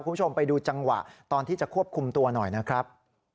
คุณผู้ชมไปดูจังหวะตอนที่จะควบคุมตัวหน่อยนะครับ